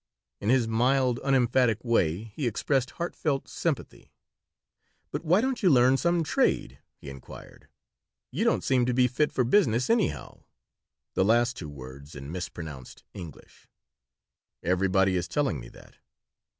In his mild, unemphatic way he expressed heartfelt sympathy "But why don't you learn some trade?" he inquired. "You don't seem to be fit for business, anyhow" (the last two words in mispronounced English) "Everybody is telling me that."